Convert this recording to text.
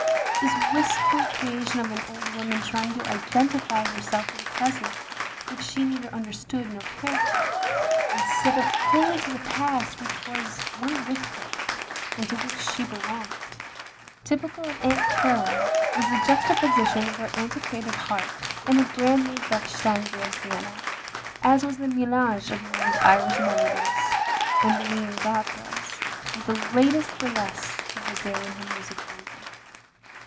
This wistful creation of an old woman trying to identify herself with the present, which she neither understood nor cared for, instead of I20 THE LONELY LADY clinging to the past which was one with her, and to which she belonged. Typical of Aunt Caroline was the juxtaposition of her antiquated harp and a brand new Bech stein grand piano; as was the melange of Moore's Irish melodies and Bellini's operas, with the latest buriesques of the day, in her music holder.